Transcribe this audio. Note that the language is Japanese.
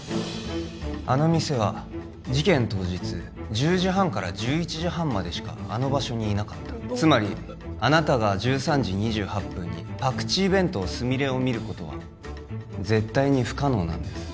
あの店は事件当日１０時半から１１時半までしかあの場所にいなかったつまりあなたが１３時２８分にパクチー弁当スミレを見ることは絶対に不可能なんです